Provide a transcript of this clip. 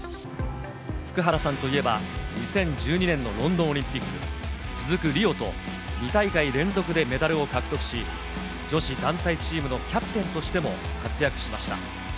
福原さんといえば、２０１２年のロンドンオリンピック、続くリオと２大会連続でメダルを獲得し、女子団体チームのキャプテンとしても活躍しました。